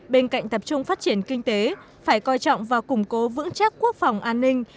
bên cạnh tập trung phát triển kinh tế phải coi trọng và củng cố vững chắc quốc phòng an ninh